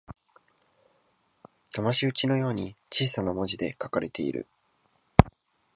だまし討ちのように小さな文字で書かれている